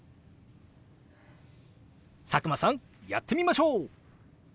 佐久間さんやってみましょう！